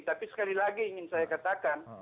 tapi sekali lagi ingin saya katakan